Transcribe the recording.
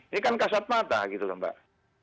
ini kan kasat mata gitu loh mbak